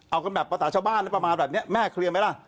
เอากันแบบภาษาชาวบ้านอะไรประมาณแบบนี้แม่เคลียร์ไหมล่ะ